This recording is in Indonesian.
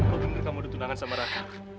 kalian udah tunangan sama raka